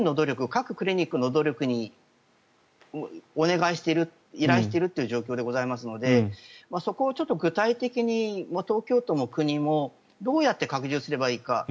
各クリニックの努力にお願いしている依頼しているという状況でございますのでそこをちょっと具体的に東京都も国もどうやって拡充すればいいか。